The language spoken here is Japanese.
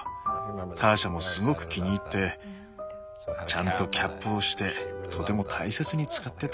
ターシャもすごく気に入ってちゃんとキャップをしてとても大切に使ってた。